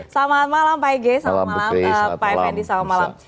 selamat malam pak ege selamat malam pak effendi selamat malam